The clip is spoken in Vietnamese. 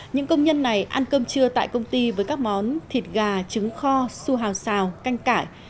những công nhân này ăn cơm trưa tại công ty với các món thịt gà trứng kho su hào xào canh cải